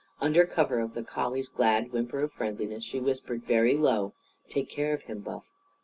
Under cover of the collie's glad whimper of friendliness she whispered very low: "Take care of him, Buff!